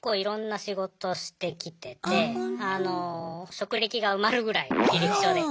職歴が埋まるぐらい履歴書で。